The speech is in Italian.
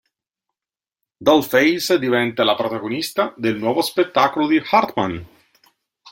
Doll Face diventa la protagonista del nuovo spettacolo di Hartman.